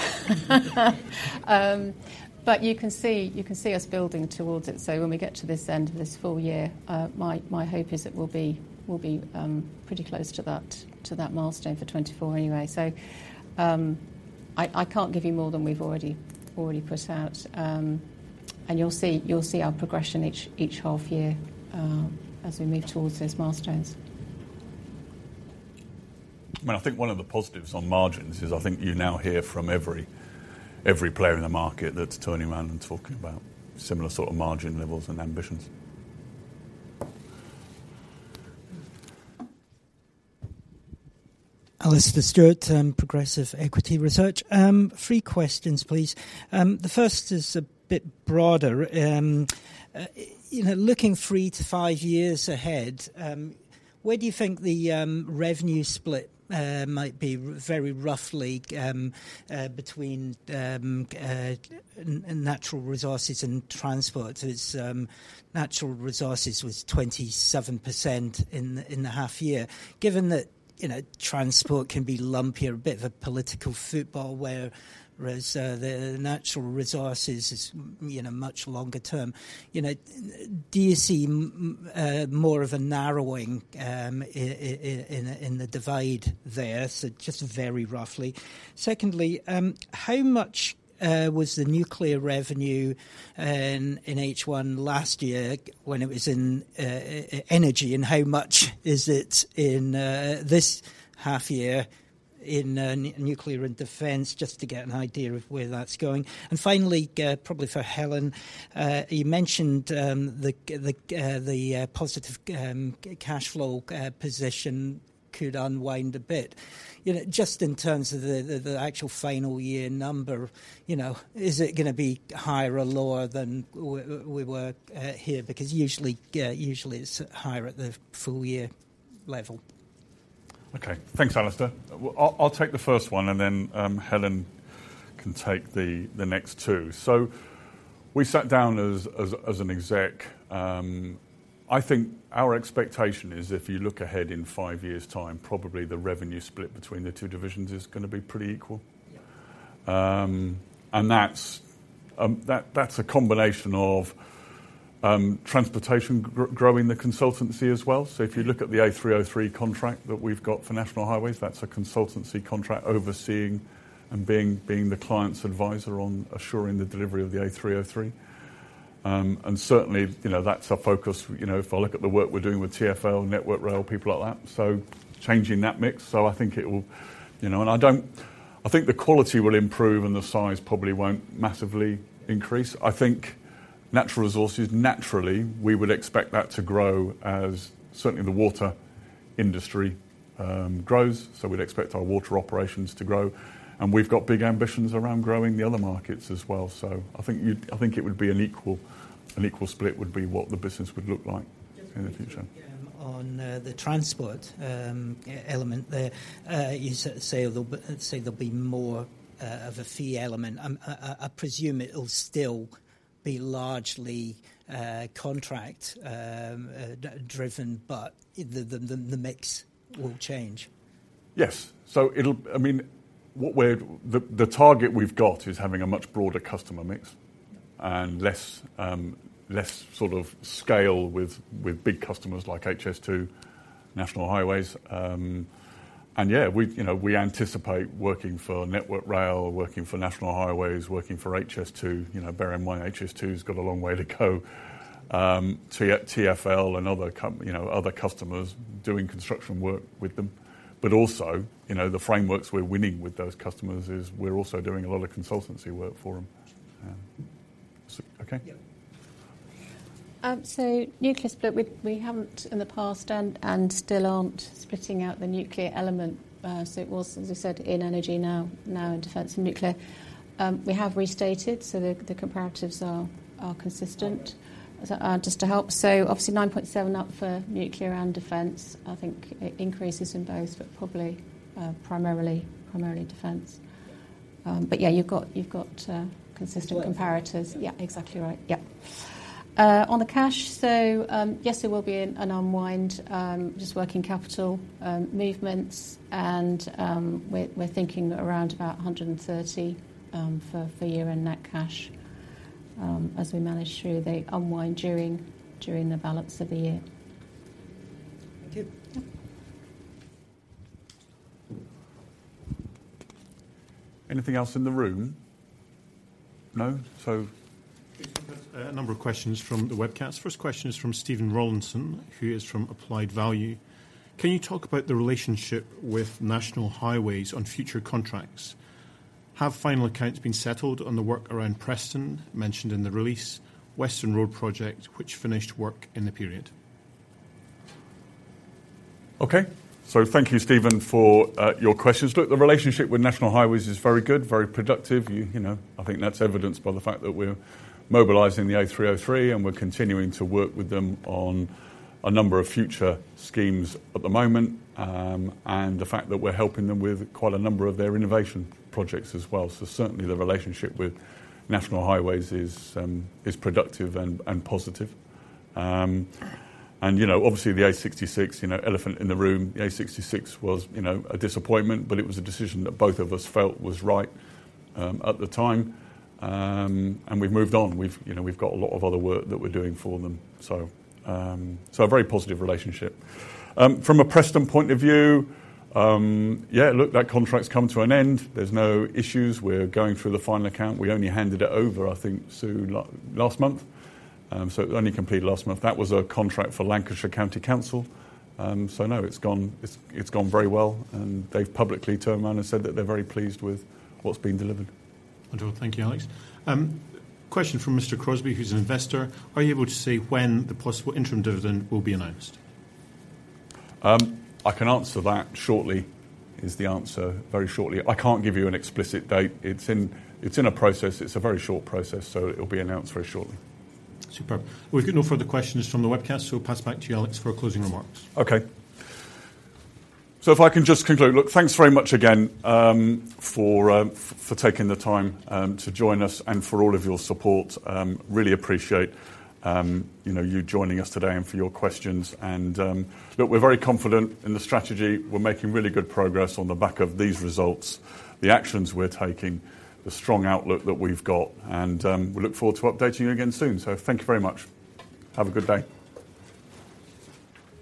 You can see, you can see us building towards it. When we get to this end of this full year, my, my hope is that we'll be, we'll be pretty close to that, to that milestone for 2024 anyway. I, I can't give you more than we've already, already put out. You'll see, you'll see our progression each, each half year, as we move towards those milestones. Well, I think one of the positives on margins is, I think you now hear from every, every player in the market that's turning around and talking about similar sort of margin levels and ambitions. Alastair Stewart, Progressive Equity Research. Three questions, please. The first is a bit broader. you know, looking 3-5 years ahead, where do you think the revenue split might be, very roughly, between natural resources and transport? it's natural resources was 27% in, in the half year. Given that, you know, transport can be lumpier, a bit of a political football, where, whereas, the natural resources is, you know, much longer term. You know, do you see more of a narrowing in, in the divide there? just very roughly. Secondly, how much was the nuclear revenue in, in H1 last year when it was in energy, and how much is it in this half year in nuclear and defense? Just to get an idea of where that's going. Finally, probably for Helen Willis, you mentioned the, the, the positive cash flow position could unwind a bit. You know, just in terms of the, the, the actual final year number, you know, is it gonna be higher or lower than we were here? Because usually, usually it's higher at the full year level. Okay. Thanks, Alastair. I'll, I'll take the first one, and then Helen can take the, the next two. We sat down as, as, as an exec. I think our expectation is, if you look ahead in five years' time, probably the revenue split between the two divisions is gonna be pretty equal. Yeah. That's, that's a combination of transportation growing the consultancy as well. If you look at the A303 contract that we've got for National Highways, that's a consultancy contract overseeing and being, being the client's advisor on assuring the delivery of the A303. Certainly, you know, that's our focus. You know, if I look at the work we're doing with TfL, Network Rail, people like that, so changing that mix. I think it will. You know, I think the quality will improve, and the size probably won't massively increase. I think natural resources, naturally, we would expect that to grow as certainly the water industry grows. We'd expect our water operations to grow, and we've got big ambitions around growing the other markets as well. I think it would be an equal, an equal split would be what the business would look like in the future. Just a quick one, on the transport element there. You say there'll be, say there'll be more of a fee element. I, I, I presume it'll still be largely contract driven, but the, the, the mix will change? Yes. It'll I mean, what we're, the, the target we've got is having a much broader customer mix... Mm And less, less sort of scale with, with big customers like HS2, National Highways. Yeah, we, you know, we anticipate working for Network Rail, working for National Highways, working for HS2. You know, bear in mind, HS2's got a long way to go. TfL and other, you know, customers doing construction work with them. Also, you know, the frameworks we're winning with those customers is we're also doing a lot of consultancy work for them. Okay? Yeah. Nuclear split, we, we haven't in the past and still aren't splitting out the nuclear element. It was, as I said, in energy now, now in defense and nuclear. We have restated, the comparatives are consistent. Okay. Just to help, obviously 9.7 up for nuclear and defense. I think it increases in both, but probably primarily, primarily defense. Yeah, you've got, you've got consistent comparatives. Yeah. Yeah, exactly right. Yeah. On the cash, yes, there will be an unwind, just working capital movements, and we're thinking around about 130 for year-end net cash as we manage through the unwind during the balance of the year. Thank you. Yeah. Anything else in the room? No? A number of questions from the webcast. First question is from Stephen Rawlinson, who is from Applied Value: Can you talk about the relationship with National Highways on future contracts? Have final accounts been settled on the work around Preston, mentioned in the release, Western Road project, which finished work in the period? Okay. Thank you, Stephen, for your questions. Look, the relationship with National Highways is very good, very productive. You know, I think that's evidenced by the fact that we're mobilizing the A303, and we're continuing to work with them on a number of future schemes at the moment, and the fact that we're helping them with quite a number of their innovation projects as well. Certainly, the relationship with National Highways is productive and positive. You know, obviously, the A66, you know, elephant in the room, the A66 was, you know, a disappointment, but it was a decision that both of us felt was right at the time. We've moved on. You know, we've got a lot of other work that we're doing for them. A very positive relationship. From a Preston point of view, yeah, look, that contract's come to an end. There's no issues. We're going through the final account. We only handed it over, I think, Sue, last month. It only completed last month. That was a contract for Lancashire County Council. No, it's gone, it's, it's gone very well, and they've publicly turned around and said that they're very pleased with what's been delivered. Thank you, Alex. Question from Mr. Crosby, who's an investor: Are you able to say when the possible interim dividend will be announced? I can answer that shortly, is the answer, very shortly. I can't give you an explicit date. It's in, it's in a process. It's a very short process, it'll be announced very shortly. Superb. We've got no further questions from the webcast. Pass it back to you, Alex, for closing remarks. Okay. If I can just conclude. Look, thanks very much again for taking the time to join us and for all of your support. Really appreciate, you know, you joining us today and for your questions. Look, we're very confident in the strategy. We're making really good progress on the back of these results, the actions we're taking, the strong outlook that we've got, and we look forward to updating you again soon. Thank you very much. Have a good day.